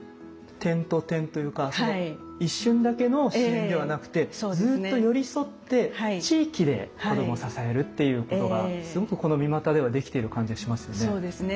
点と点というかその一瞬だけの支援ではなくてずっと寄り添って地域で子どもを支えるっていうことがすごくこの三股ではできてる感じがしますよね。